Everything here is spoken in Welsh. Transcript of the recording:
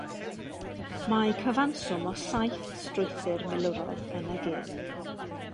Mae cyfanswm o saith strwythur milwrol yn y gêm.